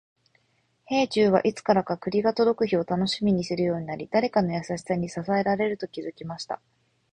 兵十は、いつからか栗が届く日を楽しみにするようになり、誰かの優しさに支えられていると気づきました。